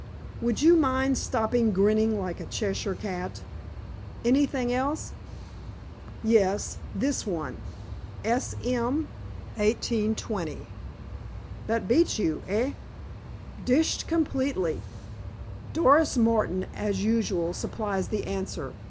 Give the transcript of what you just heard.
Would you mind stopping grinning like a Cheshire cat?" "Anything else?" "Yes. This one: 'S. M.? 1820.' That beats you, eh?" "Dished completely." "Doris Martin, as usual, supplies the answer.